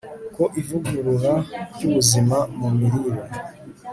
ko ivugurura ryubuzima mu mirire